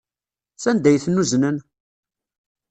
Sanda ay ten-uznen?